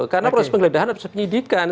karena proses penggeledahan harus penyelidikan